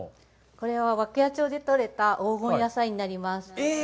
これは、涌谷町で取れた黄金野菜になります。